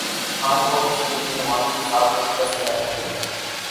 آج وہ ہر صورت میں نوازشریف صاحب کو شکست دینا چاہتے ہیں